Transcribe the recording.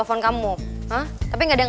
lo memang tidak saling